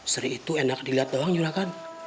seri itu enak diliat doang juragan